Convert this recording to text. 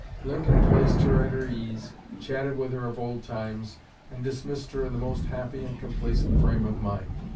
Lincoln placed her at her ease, chatted with her of old times, and dismissed her in the most happy and complacent frame of mind.